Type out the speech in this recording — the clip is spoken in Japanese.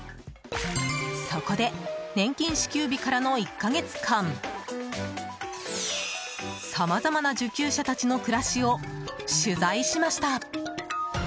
そこで年金支給日からの１か月間さまざまな受給者たちの暮らしを取材しました。